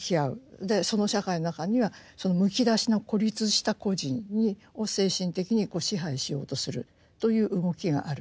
その社会の中にはそのむき出しの孤立した個人を精神的に支配しようとするという動きがあると。